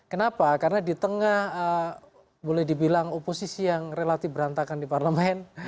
kenapa karena di tengah boleh dibilang oposisi yang relatif berantakan di parlemen